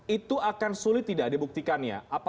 itu akan sulit tidak dibuktikannya